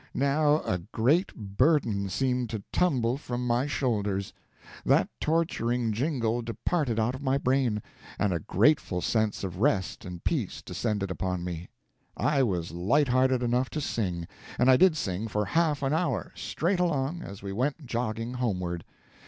Now a great burden seemed to tumble from my shoulders. That torturing jingle departed out of my brain, and a grateful sense of rest and peace descended upon me. I was light hearted enough to sing; and I did sing for half an hour, straight along, as we went jogging homeward.